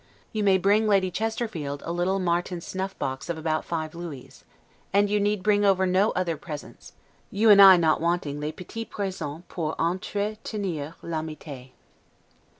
You may bring Lady Chesterfield a little Martin snuffbox of about five Louis; and you need bring over no other presents; you and I not wanting 'les petits presens pour entretenir l'amitee'.